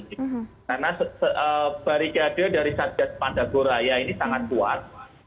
karena barikade dari satgas pandagora ini sangat kuat